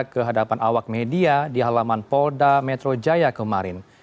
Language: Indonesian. ke hadapan awak media di halaman polda metro jaya kemarin